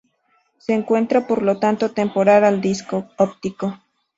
Se encuentra por lo tanto temporal al disco óptico.